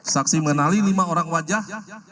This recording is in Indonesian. saksi mengenali lima orang wajah ya